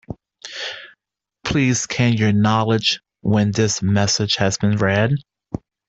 Please can you acknowledge when this message has been read?